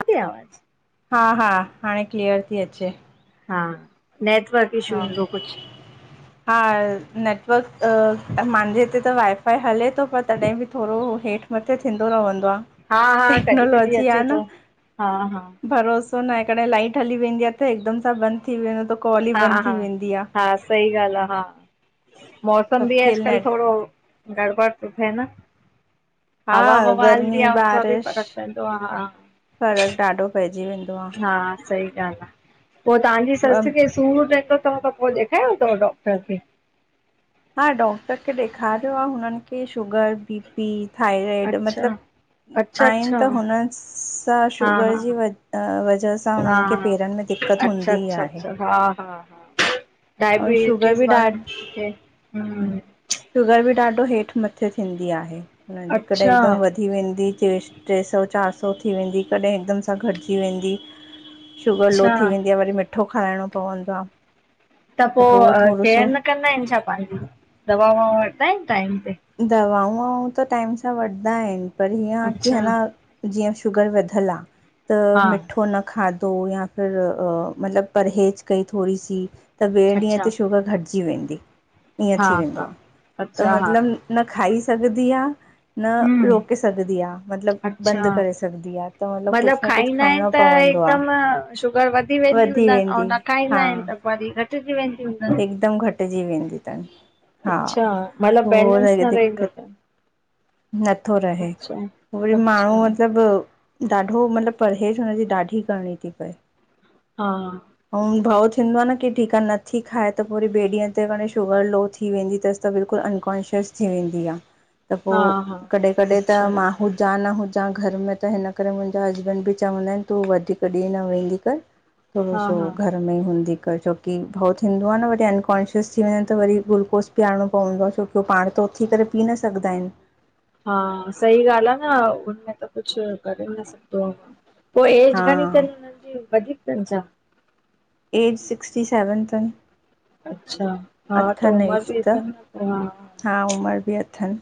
अचे ती आवाज़। हा, हा, हाणे क्लीअर थी़ अचे। हा, नेटवर्क। इशू हा। हूंदो कुझु हा, नेटवर्क त, माहिंजे हिते त वाइ फा़इ हले थो पर तॾहिं बि थोरो हेठ। मथे थींदो रहंदो आह हा हा कॾहिं कॾहिं टेक्नोलॉजी आह अचे न थो हा हा भरोसो। छो न कड़े लाइट हली वेंदी आहे त हिकदम सां बंद थी वेंदो त कॉल ई हा बंद। हा हा सही ॻाल्ह आह हा मौसम सभु बि खेल अॼकल नेट थोरो। गड़बड़ तो थिए न, हा हवा ववा हलदी गर्मी आहे हुन सां बि फरक पवंदो आ हा। फ़र्क़ ॾाढो पइजी वेंदो आहे। हा सही ॻाल्ह आ, पो तांजी सस आहे खे। सूर रहंदो थ़व त पो ॾेखारियो थव डॉक्टर खे? हा डॉक्टर खे ॾेखारियो आ हुनन खे शुगर, बीपी थायरॉइड अच्छा मतलब। अच्छा आहिन अच्छा त, हुन सां हा शुगर हा जी वजह सां हा हुनन खे हा पेरन में। दिक़त अच्छा हूंदी अच्छा आहे। ऐं शुगर डायबिटीज बि ॾा वारन खे हूं शुगर बि ॾाढो हेठि मथे थींदी आहे। कॾहिं अच्छा हिकदमि वधी वेंदी टे सौ, चारि सौ थी वेंदी। कॾहिं हिकदम सां घटिजी वेंदी। शुगर लो अच्छा थी वेंदी आहे, वरी मिठो ख़ाइणो पवंदो आह। त पोइ केयर न कंदा आहिनि छा पंहिंजी? दवा- ववा वठंदा आहिनि टाइम ते? दवाऊं- ववाउं त टाइम सां वठदा आहिनि, पर हीअं आहे कि अच्छा ह न जीऐं शुगर वधियल आहे, त हा मिठो न खाधो या फिर मतिलब, परहेज़ कई थोरी सी त, ॿिए ॾींहं अच्छा ते शुगर घट थी वेंदी ईअं हा थी वेंदो हा आह, त अच्छा हा मतिलब न खाई सघंदी आह न हम्म रोके सघदी आह। मतिलब, अच्छा बंदि करे सघदी आह, त मतलब कुझ मतिलबु न कुझ खाईंदा आहिनि खाइणो त पवंदो आहे हिकदमि शुगर वधी वेंदी हूंदन, ऐं वेंदी न खाईंदा हा आहिनि त वरी घटिजी वेंदी हूंदन। हिकदमि घटिजी वेंदी अथन हा, अच्छा मतिलबु पोइ बैलेंस वरी न रहंदो दिक़त अथनि नथो रहे, अच्छा वरी अच्छा माण्हू मतलब ॾाढो मतिलब परहेज़, हुनजी ॾाढी करिणी थी पए। हा। अऊं भव थींदो आहे न की ठीक आहे न थी खाए, त पोइ वरी ॿिए ॾींहं ते वरी शुगर लो थी वेंदी अथसि। त बिल्कुल अनकॉन्शियस थी वेंदी आहे। त, हा हा पोइ कॾहिं कॾहिं त अच्छा मां हुजां न हुजां घर में त हिनकरे मुंहिंजा हसबैंड बि चवंदा आहिनि तूं वधीक ॾींह न वेंदी कर। हा करोस् [unintelligible] हा में ई हूंदी कर, छोकि भउ थींदो आहे न वरी अनकॉनशियस थी वञनि त वरी ग्लूकोस पिआरिणो पवंदो आहे, छोकि उह पाण त उथी करे पी न सघदा आहिनि। हा सही ॻाल्हि आहे न, हुनमें त कुझ करे न सघंदो आहे। पोइ एज हा घणी अथनि हुनन जी, वधीक अथनि छा? एज़ सिक्सटी सेवन थन। अछा। हा त उमिर एज बि त अथनि, हा। हा उमिर बि अथन,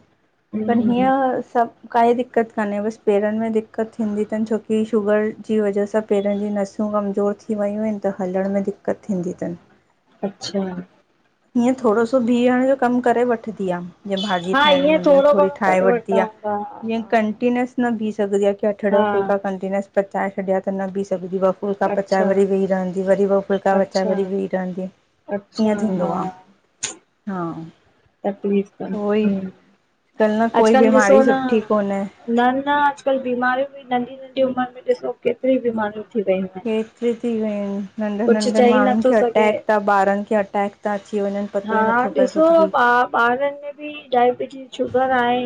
पर हीअं हम्म आहे सब काई दिक़त कान्हे, बस पेरन में दिक़त थींदी अथनि। छोकी शुगर जी वजह सां पेरन जी नसियूं कमज़ोर थी वियूं आहिनि, त हलण में दिक्कत थींदी अथन। अच्छा। हीअं थोरो सो बीहण जो कमु, करे वठदी आह। जीअं भाॼी हा ठाहिणी ईअं हूंदी आहे, थोरो थोरी घणो ठाहे करे वठदी वठंदा आह। हूंदा जीअं हा कंटीिन्यूअस न बीह सघंदी आहे, कि अठ ॾह हा फुलका हा कंटिन्यूअ पचाए छॾिया त न बीह सघदी आहे। फुलका पचाए अच्छा वरी वेही रहंदी, वरी ॿ फुलका पचाए अच्छा वरी वेही रहंदी, अच्छा ईअं थींदो हा आहे। हा, तकलीफ़ अथनि उहोई, हम्म कल न कोई अॼुकल्ह ॾिसो बीमारी न सुठी कोन्हें। न न अॼुकल्ह बीमारियूं बि नंढी- नंढी उमिरि में ॾिसो केतिरी बीमारियूं थी वियूं आहिनि। केतरी थी वियूं आहिनि। नंढनि- कुझु नंढनि चई माण्हुनि नथो खे सघे अटैक था ॿारनि खे अटैक था अची वञनि पतो हा ई नथो पए ॾिसो कुझु बि! ॿा ॿारनि में बि डायबिटीज़ शुगर आहे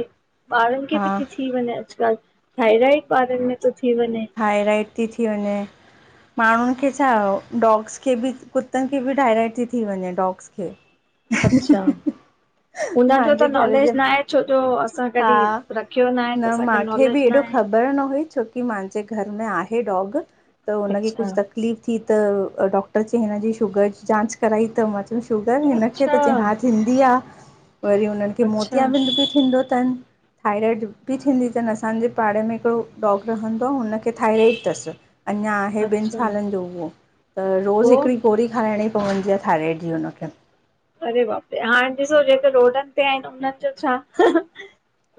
ॿारनि खे हा बि थी थी वञे अॼुकल्ह। थाइराइड ॿारनि में थो थी वञे। हाईलाइट ती थी वञे। माण्हुनि खे छा, डॉग्स खे बि, कुतनि खे बि डायराइट थी थी वञे डॉग्स [inaudible] अच्छा, इनजो त मुंहिंजे घर जे नॉलेज न आहे, छो जो अ असां हा कॾहिं रखियो न आहे त असांखे नॉलेज न आहे। ख़न हुई छोकी माँजे घर में आहे डॉग त हुनखे अच्छा कुछ तक। तकलीफ़ थी त डॉक्टर चयई हिनजी शुगर जी जांच कराई त म। शुगर हिनखे अच्छा त चयईं हा थींदी आ वरी हुनखे अच्छा मोतियाबिंद बि थींदो। तन। थायराइड बि थींदी थन असांजे पाड़े में हिकिड़ो डॉग रहंदो आ हुनखे थायराइड थस। अञा। इ ॿिन अच्छा सालन जो हुहो त रोज़ पो हिकिड़ी गोरी खाराइणी पवंदी आहे थाइराइड जी हुनखे। अरे बाप रे हाणे ॾिसो जेको रोडन ते आहिन उन्हन जो छा?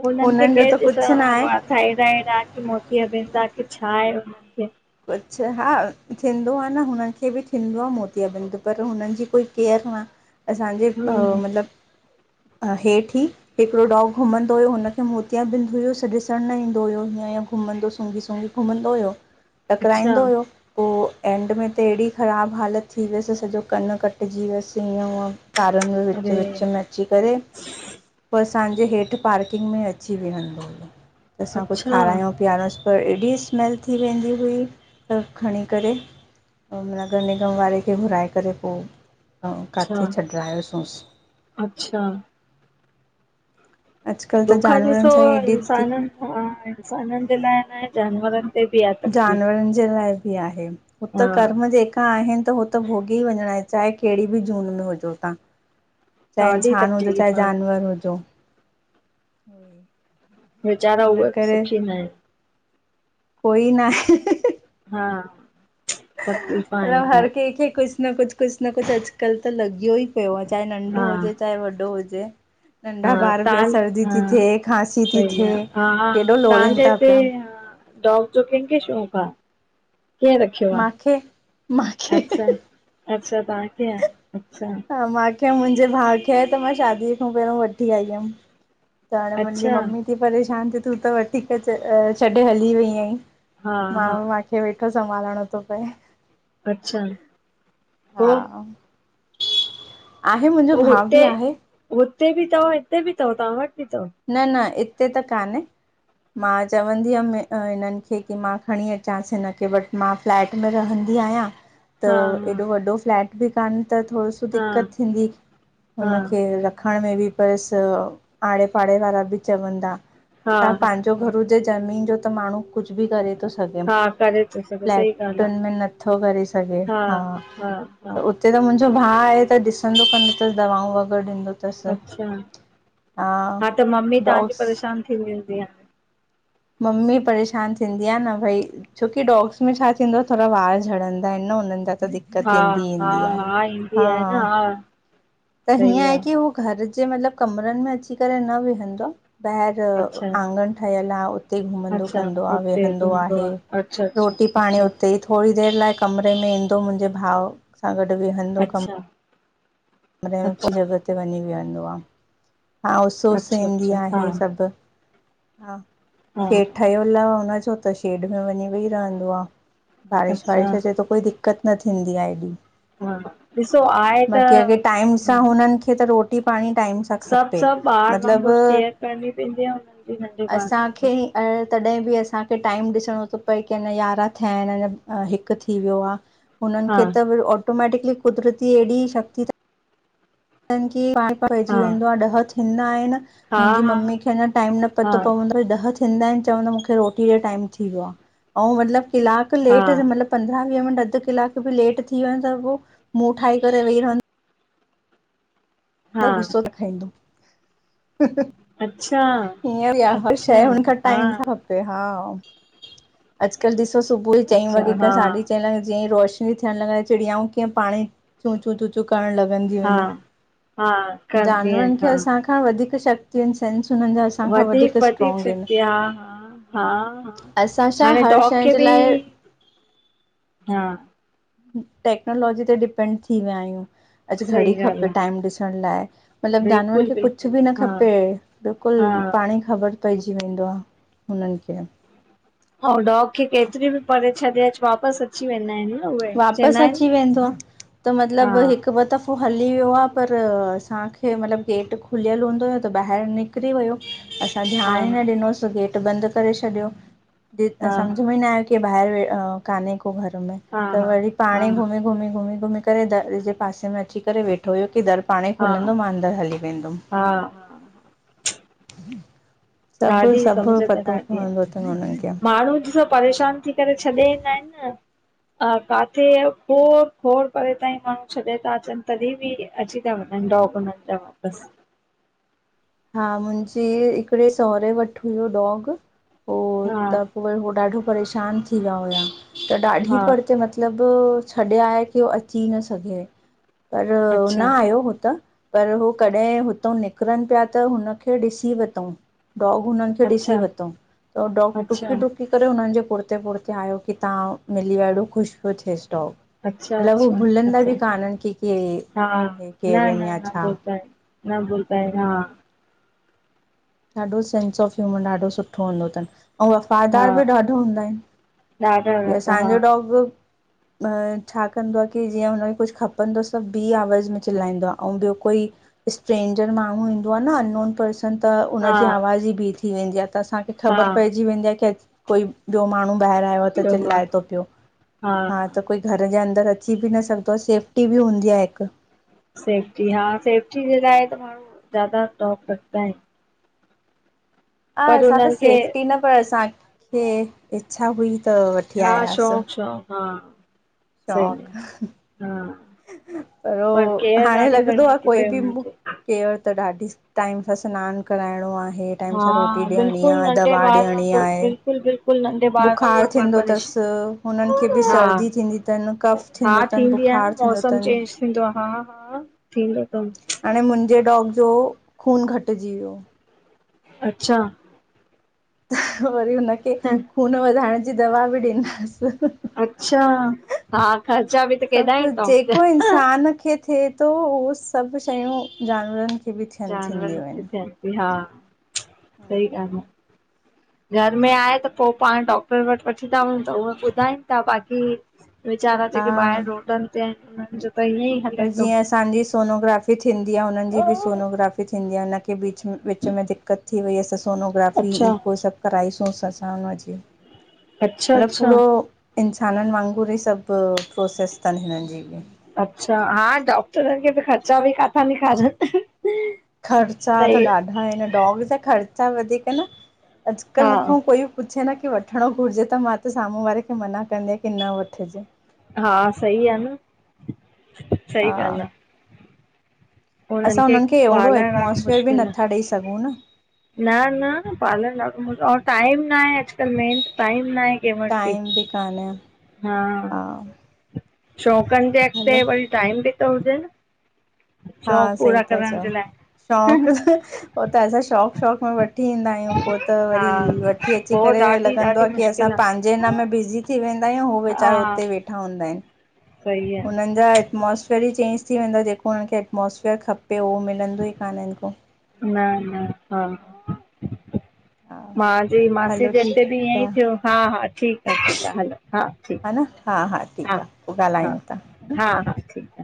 हुनन खे उन्हनि जो केर त ॾिसण कुझु न वारो आहे वा। थैरोइड आ की मोतीअबिंद बाकी छा आहे हुनन खे? कुछ हा थींदो आ न हुनन खे बि थींदो आ मोतियाबंद पर हुनन जी कोई केयर न। असांजे हम्म मतलब हेठ ई। हिकिड़ो डॉग घुमंदो हुयो हुनखे मोटियाबिंद हुयो स ॾिसण न ईंदो हुयो हीअं घुमंदो सूंघी सुूंघी। घुमंदो हुओ अच्छा, टकराईंदो हुयो। पो एंड में त एहदी ख़राब हालत थी वियस सॼो कन कट्जी वियस ईअं हअ। कारण व विच अरे! विच मे। अची करे पो असांजे हेठ पार्किंग में अची वेहंदो हुयो। त असां कुच अच्छा, खारायूं पीआरूंसपर एॾी स्मैल थी वेंदी हुई त खणी करे। नगर निगम वारे खे घुराए करे पो अच्छा, काथे छॾायो सूंस। अच्छा। अॼुकल्ह त दुख ॾिसो जानवरनि सां ई एॾी थी इंसान्ंनखां इंसानन जे लाइ न जानवरन। जानवरन जे लाइ बि आहे हु हा, त कर्म जे। त आहिन त हो त भोॻी वञणा आहे चाहे केहड़ी बि जून में हुजो तां। चाहे ॾाढी इंसान हुजो चाहे तकलीफ़ आ, जानवर हुजो। उही। वीचारा उहे सुखी ना आहिन। कोई न। हा। तकलीफ़ आहिनि मतलब हर ॾाढी, कें खे कुछ। कुछ न कुछ कुछ न कुछ अॼुकल्ह त लॻियो ई पयोवा आ चाहे नंढो हुजे चाहे वॾो हुजे। ह नंढा ॿार बि तां सर्दी ह थी थिए खांसी थी सही थिए आ ह केॾो तां हे लोड़ीनि था जेटे पिया। हां। डॉग जो कैंखे शौक़ आ केर रखियो आ? मांखे मांखे अच्छा। अच्छा पाणखें आ अच्छा। हा माँखे या मुंहिंजे भा खें या त मां शादीअ खां पहिरों वठी आई हुयम। त हाणे मुंहिंजी अच्छा, मम्मी थी परेशान थी तूं त वठी करे छॾे हली वई आहीं। हा, मां हा, मांखे वेठो संभालणो थो पए। अच्छा पो। हा आहे मुंहिंजो पो भाउ हुते बि आहे हुते बि थव हिते बि अथव तां वट बि थव। न न हिते त कान् हे। मां चवंदी हुयम हिनन खे की मां खणी अचांस हिन खे बट मां। फ्लैट में रहंदी आहियां। त हा एॾो वॾो फ्लैट बि कान त थोरो सो हा हा दिक़त थींदी हा हुनखे र। खण में बि पैसो आड़े पाड़े वारा बि चवंदा हा छा पांजो हा घर। जे ज़मीन जो त माण्हू। कुझ बि करे थो सिघे हा करे थो सघो सही ॻाल्हि आ प्लैटन में नथो करे सिघे हा हा हा त उते त मुंहिंजो भाउ आहे त ॾिसंदो कन्दो अथसि दवाऊं वग़ैरह ॾींदो अथस अच्छा हा त मम्मी तव्हांजी डॉग्स परेशान थींदी हुंदी ईंय मम्मी परेशान थींदी आहे न भई छोकी डॉग्स में छा थींदो आहे थोरा वार झड़ंदा आहिनि न हुननि जा त दिक़त हा ईंदी हा ईंदी आ हा ईंदी हा आहे न हा त हीअं सही आहे आ की हूहो घर जे मतलबु कमरनि में अची करे न वेहंदो आ ॿाहिरि अच्छा आंगण ठहियलु आहे उते घुमंदो अच्छा कंदो आहे हुते वेहंदो घुमदो आहे आ अच्छा अच्छा रोटी पाणी अच्छा उते ई थोड़ी देरि लाइ कमिरे में ईंदो मुंहिंजे भाउ सां गॾु वेहंदो कमिरो अच्छा कमिरे में पोइ अच्छा जॻह ते वञी वेहंदो आहे हा उसु उसु अच्छा ईंदी अच्छा हा आहे सभु हा हा हेठु ठहियलु आ हुनजो त शेड में वञी वेही रहंदो आ बारिश अच्छा वारिश अचे त कोई दिक़त न थींदी आहे एॾी हा ॾिसो आहे त बाक़ी अॻे टाइम सां हुननि खे त रोटी पाणी टाइम सां सभु ख़पे सभु ॿार मतलबु वांगुरु केयर करणी पवंदी आहे हुननि जी नंढे ॿार वांगुरु असांखें ऐं तॾहिं बि असांखे टाइम ॾिसणो थो पए कि अञा यारहं थिया आहिनि अञा हिकु थी वियो आ। हुननि हा खे त ऑटोमेटिकली कुदरती एहिड़ी शक्ति अथन कि पाण पइजी हा वेंदो आहे ॾह थींदा आहिनि हा मुंहिंजी मम्मी खे अञा टाइम न हा पतो पवंदो आ ॾह थिंदा इन चवंदो आ मुखे रोटी ॾे टाइम थी वयो आ अउं मतलबु कलाकु हा हा लेट मतलबु पंन्द्रह विह मिंट अधु कलाकु बि लेट थी वञे त पोई मुहं ठाए करे वेही रहंदो त हा गुस्सो ॾेखाईंदो अच्छा ईअं भी आ हर अच्छा शय हुन खां हा टाइम सां खपे हा अॼकल्ह ॾिसो सुबुह चईं अच्छा वॻे खां हा साढी चईं लॻे जीअं ई रोशनी थियण लॻंदी चिड़ियाऊं कीअं पाणे चूचू चूचू करण लॻंदियूं हा आहिनि हा कंदी जानवरनि आहिनि खे हा असांखां वधीक शक्ति ओर्गन र्सेंस हुननि जा असांखां वधीक स्ट्रांग आहिनि सिखंदी हा हा हा हा असां छा हाणे हर डॉग शंय खे जे बि लाइ हा टेक्नोलॉजी ते डिपेंड थी विया आहियूं अॼु घणी सही ॻाल्हि खपे आहे टाइम ॾिसण लाइ मतलबु जानवरनि बिल्कुलु खे कुझु बिल्कुलु बि न हा खपे बिल्कुल हा पाणेई ख़बर पइजी वेंदो आहे हुननि खे ऐं डॉग खे केतिरी बि परे छॾे अच वापसि अची वेंदा आहिनि उहे चवंदा वापसि आहिनि अची न वेंदो आ त हा मतिलबु हिकु ॿ दफो पोइ हली वियो आहे पर असांखे मतलबु गेट खुलियलु हूंदोआ त ॿाहिरि निक निकिरी वियो असां हा ध्यानु ई न ॾिनोसि गेट बंदि करे छॾियो हा सम्झ में इ न आयो कि हे ॿाहिरि कान्हे को घर में हा त हा वरी हा पाणे ई घुमी घुमी घुमी घुमी करे दरि ॼे पासे में अची करे वेठ‌ो वेठो हुयो कि दर पांणेई हा खुलंदो मां अंदरि हली वेंदुमि हा सभु ॾाढी सभु पतो पवंदो अथनि उंहिन खे माण्हूँ ॾिसो परेशान थी करे छॾे ईंदा इनि न आ काथे खोड़ खोड़ परे ताईं माण्हूँ छॾे ता अचनि तॾी ॿि‌ अची ता वंञंनि डॉग उन्हन ॼा वापस। हा मुंॼे हिकिड़े सहुरे वट हुयो डॉग उहो हा त पो वरी हो ॾाढो परेशान थी विया हुया त ॾाढी हा पर तेे मति लब छॾे आया की हो अच्ची न सघे पर न अच्छा आयो हु त पर हो कॾहिं हुतउ निकरन पिया त हुनखे ॾिसी वतऊं डॉग हुननि खे ॾिसी अच्छा वतंऊं त हो डॉग अच्छा ॾु्की ॾु्की की करे हुननि ॼे पुड़ते पुड़ते आयो कि तहां मिली विया एॾो ख़ुश पियो थिएस डाॻ। अच्छा लब हू अच्छा भुलन्दा अच्छा ॿि कान्हन इनि की के हा हे न केर इन न या न छा भुलंदा आहिनि न भुलदा हा। ॾाढो सेंस ऑफ ह्यूमर ॾाढो सुठो हूंदो तनि अंऊं हा वफ़ादार ॿि ॾाढा हूंदा इनि। ॾाढा हे ॾाढा असांॼो डॉग अं छा कंदो आ की जीअं हुनखे कुछ खपंदुस त ॿी आवाज़ में चिलाईंदो आ अंऊ ॿियो कोई स्ट्रेंजर माण्हूँ ईंदो आ न अनोन पर्सन। न त उन हा ॼी आवाज़ ई बी थी वेंदी आ त असांखे हा ख़ॿर हा पइॼी वेंदी आ कि अञ कोई ॿियो माण्हूं ॿाहर आयो आ त ॿियो मां चिल्लाए तो पियो हा त कोई घर ॼे अंदर अची ॿि न सघंदो आ सेफ्टी ॿि हूंदी आहे हिक सेफ्टी हा सेफ्टी ॼे लाए त माण्हूँ ज्यादा डांग रखदा आहिन हा असां त हुननि खे सेफ्टी न पर असांखे इच्छा हुई त वठी हा आयाहास। शौक़ शौक़ हा सही हा। ओ पर केयर हांणे ॾाढी लॻदो करणी आ थी कोई पए ॿि हुननि मु खे केयर त ॾाढी टाइम सां सिनान कराइणों आहे। टाइम हा सां रोटी ॾियणी आ बिल्कुलु नंढे दवा ॿार ॾियणी वांगुरु आहे। बिल्कुलु बिल्कुलु नंढे ॿार बुखार वांगुरु थींदो परवरिश तस हुननि खे ॿि हा सर्दी थींदी तन कफ हा थींदो तन थींदी आहे न बुखार थींदो मौसम तन चेंज थींदो आ हा हा थींदो थस हांणे मुंजे डॉग जो खून घटिॼी वियो अच्छा ‌‌ त वरी हुनखे खून वधाइंण ॼी दवा ॿि ॾींदास। अच्छा हा अच्ा त [unintelligible] सब डॉग ॼेको जा इंसान खे थिए तो उहो सब शयूं ॼानवरनि खे। हि ॿि थियनि जानवर थींदियूं अएनि [unintelligible] किथे हा सही ॻाल्ह आ। घर में आहे त पो पांण डॉक्टर वट वठी ता वञूं त उहे ॿुधाइनि ता ॿाक़ी वैचारा ॼेके ॿाहर हा रोडन ते आहिन न उन्हन ॼो त ईयंई पर ॼीअं असांॼी सोनोग्राफी थींदी आ हुननि ॼी ॿि सोनोग्राफी थींदी। ॼींअं हिनखे भी में विच में दिक़त थी वई असां सोनोग्राफी अच्छा ईको सब कराई सुस असां हुन जी अच्छा मतलब अच्छा पूरो इंसाननि वांगुर ई सब प्रोसेस थन हिननि ॼी अच्छा हा डॉक्टरनि खे त ख़र्चा ॿि काथां निकारन। ख़र्चा त ॾाढा आहिन डॉग ॼा ख़र्चा वधीक न अॼुकल्ह हा मूंखां कोइ पुछे न कि वठिणों घुरिॼे त मां त साम्हूं वारे खे मना कंदी आयां कि न वठिॼे। हा सही आ न सही हा ॻाल्ह आ। असां हुननखे हुननि खे अहिड़ो पालण ॾाढो एटमोसफेयर बि मुश्किल आ। नथा ॾेई सघूं न न न पालन ॾाढो मो टाइम न आहे अॼकल्ह मेन। टाइम न के मट पी टाइम बि कान्हे हा। शौक़न जे अॻते हलो वरी टाइम बि त हुजे न। शौक़ हा सही पूरा था करण चओ। जे लाइ शौक़ पो त असां शौक़ शौक़ में वठी ईंदायूं पो त हा वरी व। वठी अची पोइ करे ॾाढी लॻंदो ॾाढी आ की असां मुश्किल पां। आहे जे हिन में बिज़ी थी वेंदा आहियूं हो हा वेचारा उते वेठा हूंदा आहिन सही आहे हुनन जा। एटमोस्फेयर ई चेंज थी वेंदो आ जेको हुन खे एटमोसफेअर खपे उहो मिलंदो ई कान्हे इन्को। न न हा। हा मांजी मासी हलो जे अॻते बि ठीकु ईअं ई आ थियो हा हा ठीक आ ठीक आ हलो हा। हा ठीकु न हा हा ठीक आ पो ॻाल्हायूं था हा न हा। ह ठीक आ।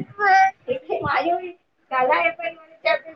हा। पई